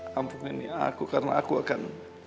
hampuni aku karena aku akan